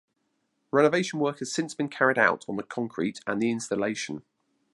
Renovation work has since been carried out on the concrete and the installation.